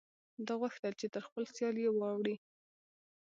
ده غوښتل چې تر خپل سیال یې واړوي.